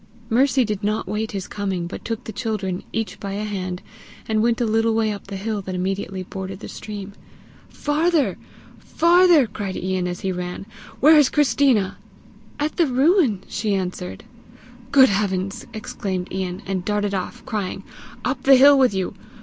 Mercy did not wait his coming, but took the children, each by a hand, and went a little way up the hill that immediately bordered the stream. "Farther! farther!" cried Ian as he ran. "Where is Christina?" "At the ruin," she answered. "Good heavens!" exclaimed Ian, and darted off, crying, "Up the hill with you!